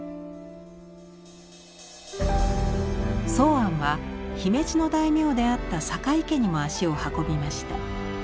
箒庵は姫路の大名であった酒井家にも足を運びました。